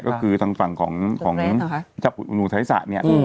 ก็คือทางฝั่งของพระเจ้าอุณุธัยศะเนี่ย